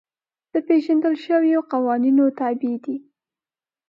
د پېژندل شویو قوانینو تابع دي.